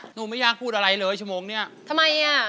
หนูไม่อยากพูดอะไรเลยชั่วโมงเนี้ยทำไมอ่ะ